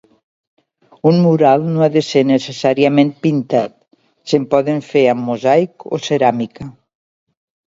Un mural no ha de ser necessàriament pintat, se'n poden fer amb mosaic o ceràmica.